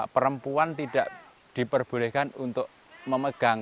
perempuan tidak diperbolehkan untuk memegang